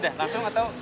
udah langsung atau